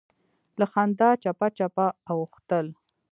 له خندا چپه چپه اوښتل.